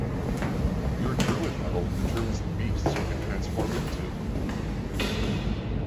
Your druid level determines the beasts you can transform into.